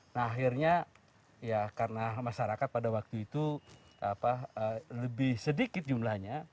nah akhirnya ya karena masyarakat pada waktu itu lebih sedikit jumlahnya